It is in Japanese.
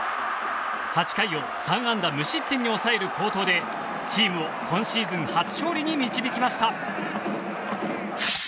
８回を３安打無失点に抑える好投でチームを今シーズン初勝利に導きました。